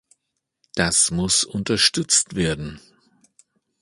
Das muss unterstützt werden.